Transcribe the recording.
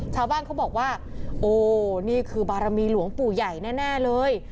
ชาวบ้านเขาบอกว่าโอ้นี่คือบารมีหลวงปู่ใหญ่แน่เลย